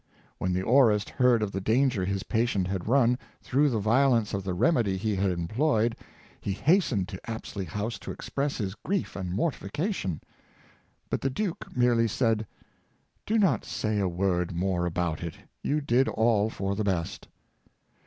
When the aurist heard of the danger his patient had run, through the violence of the remedy he had employed, he hastened to Apsley House to express his grief and mortification; but the duke merely said: " Do not say a word more about it — you did all for the best."